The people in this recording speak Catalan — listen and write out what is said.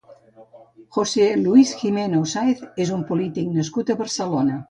José Luis Jimeno Sáez és un polític nascut a Barcelona.